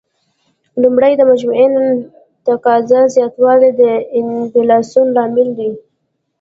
لومړی: د مجموعي تقاضا زیاتوالی د انفلاسیون لامل دی.